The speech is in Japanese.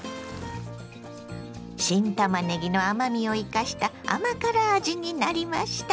新たまねぎの甘みを生かした甘辛味になりました。